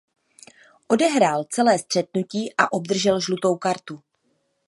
Odehrál celé střetnutí a obdržel žlutou kartu.